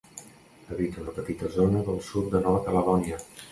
Habita una petita zona del sud de Nova Caledònia.